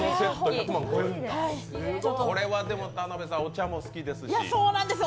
これはでも田辺さんもお茶も好きですし。